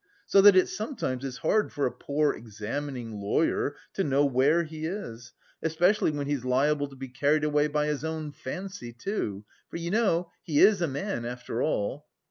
So that it sometimes is hard for a poor examining lawyer to know where he is, especially when he's liable to be carried away by his own fancy, too, for you know he is a man after all!